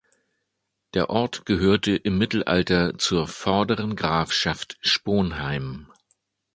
Der Ort gehörte im Mittelalter zur Vorderen Grafschaft Sponheim.